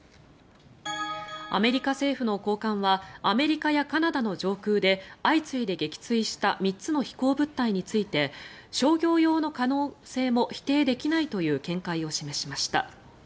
アメリカ政府の高官はアメリカやカナダの上空で相次いで撃墜した３つの飛行物体について商業用の可能性も否定できないという見解を示しました。